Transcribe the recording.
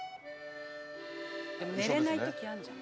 「でも寝れない時あるじゃん」